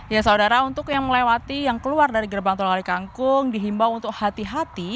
ya saudara untuk yang melewati yang keluar dari gerbang tol wali kangkung dihimbau untuk hati hati